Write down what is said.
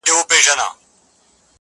لوېدلی ستوری له مداره وځم-